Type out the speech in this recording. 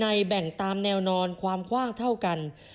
แบ่งตามแนวนอนความคว่างเท่ากัน